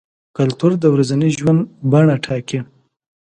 کلتور د ورځني ژوند بڼه ټاکي.